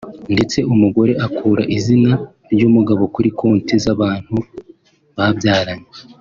ndetse umugore akura izina ry’umugabo kuri konti z’abantu babyaranye